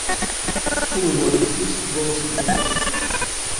Скулы его тряслись, и голос обрывался.